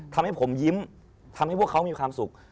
ทำให้ผมยิ้มทำให้พวกเขามีความสุข